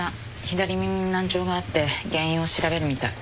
左耳に難聴があって原因を調べるみたい。